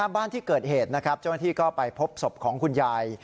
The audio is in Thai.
บ้านที่เกิดเหตุนะครับเจ้าหน้าที่ก็ไปพบศพของคุณยาย